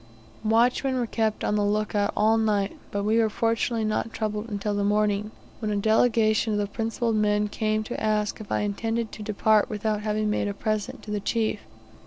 Watchmen were kept on the look out all night; but we were fortunately not troubled until the morning; when a delegation of the principal men came to ask if I intended to depart without having made a present to the chief.